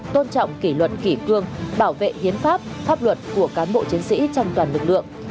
tôn trọng kỷ luật kỷ cương bảo vệ hiến pháp pháp luật của cán bộ chiến sĩ trong toàn lực lượng